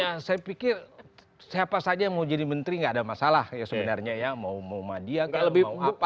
ya saya pikir siapa saja yang mau jadi menteri nggak ada masalah ya sebenarnya ya mau muhammadiyah kalau mau apa